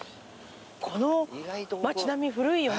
この町並み古いよね。